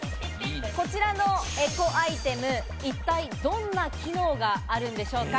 こちらのエコアイテム、一体どんな機能があるんでしょうか？